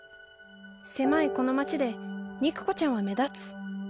狭いこの町で肉子ちゃんは目立つ。